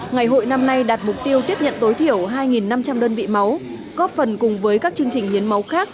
ngày hội năm nay đạt mục tiêu tiếp nhận tối thiểu hai năm trăm linh đơn vị máu góp phần cùng với các chương trình hiến máu khác